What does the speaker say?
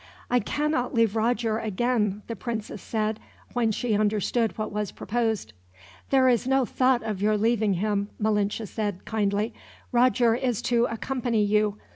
"I cannot leave Roger again," the princess said, when she understood what was proposed. "There is no thought of your leaving him," Malinche said, kindly. "Roger is to accompany you.